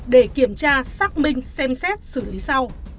để kiểm tra xác minh xem xét xử lý sau